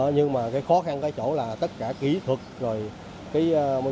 nhưng khó khăn ở chỗ là tất cả kỹ thuật